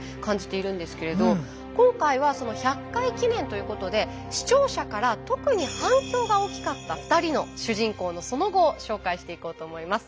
今回はその１００回記念ということで視聴者から特に反響が大きかった２人の主人公のその後を紹介していこうと思います。